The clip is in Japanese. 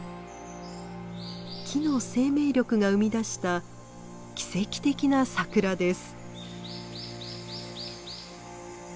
木の生命力が生み出した奇跡的なサクラです。